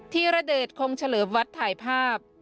ธีรเดชคงเฉลิมวัดถ่ายภาพ